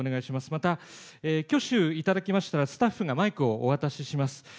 また挙手いただきましたら、スタッフがマイクをお渡しします。